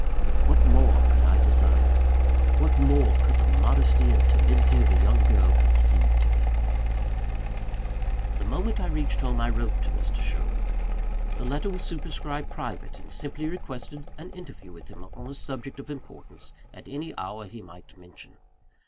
What more could I desire? What more could the modesty and timidity of a young girl concede to me? The moment I reached home, I wrote to Mr. Sherwin. The letter was superscribed "Private;" and simply requested an interview with him on a subject of importance, at any hour he might mention.